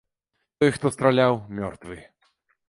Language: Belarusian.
Той, хто страляў, мёртвы.